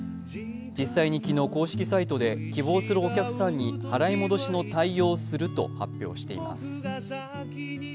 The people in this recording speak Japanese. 実際に昨日、公式サイトで希望するお客さんに払い戻しの対応すると発表しています。